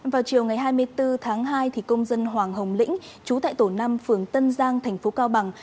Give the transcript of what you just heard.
vào chiều ngày hai mươi bốn tháng hai công dân hoàng hồng lĩnh chú tại tổ năm phường tân giang thành phố cao bằng